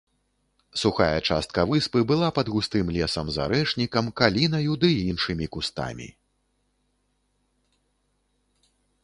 Сухая частка выспы была пад густым лесам з арэшнікам, калінаю ды іншымі кустамі.